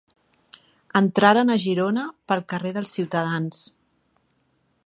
Entraren a Girona pel carrer de Ciutadans.